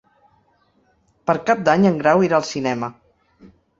Per Cap d'Any en Grau irà al cinema.